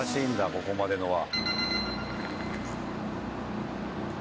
ここまでのは。